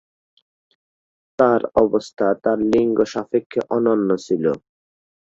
তার অবস্থান তার লিঙ্গ সাপেক্ষে অনন্য ছিল।